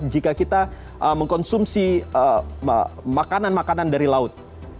jika kita mengkonsumsi makanan makanan dari laut